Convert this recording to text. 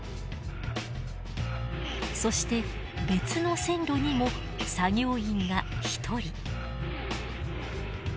そして別の線路にも作業員が１人。